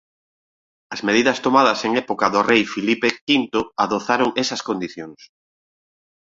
As medidas tomadas en época do rei Filipe V adozaron esas condicións.